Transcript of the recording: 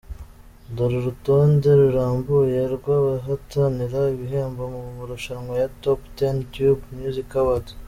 Dore urutonde rurambuye rw’abahatanira ibihembo mu marushanwa ya Top Ten Tube Music Awards:.